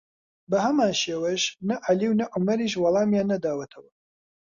بەهەمان شێوەش نە عەلی و نە عومەریش وەڵامیان نەداوەتەوە